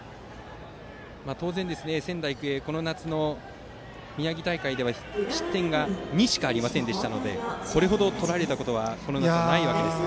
仙台育英はこの夏の宮城大会では失点２しかありませんでしたのでこれほど取られたことはこの夏はないわけですが。